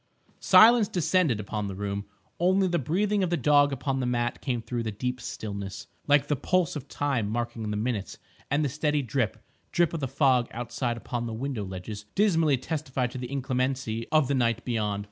Silence descended upon the room. Only the breathing of the dog upon the mat came through the deep stillness, like the pulse of time marking the minutes; and the steady drip, drip of the fog outside upon the window ledges dismally testified to the inclemency of the night beyond.